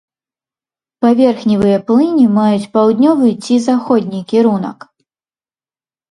Паверхневыя плыні маюць паўднёвы ці заходні кірунак.